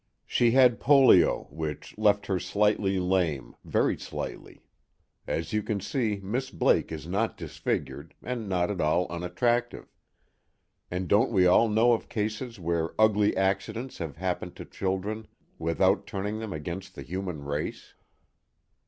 She had polio, which left her slightly lame, very slightly as you can see, Miss Blake is not disfigured, and not at all unattractive. And don't we all know of cases where ugly accidents have happened to children without turning them against the human race?